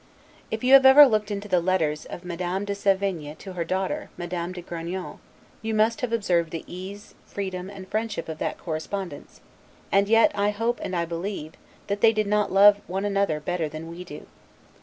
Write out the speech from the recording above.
If you have ever looked into the "Letters" of Madame de Sevigne to her daughter, Madame de Grignan, you must have observed the ease, freedom, and friendship of that correspondence; and yet, I hope and I believe, that they did not love one another better than we do.